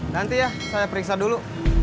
nanti ya saya periksa dulu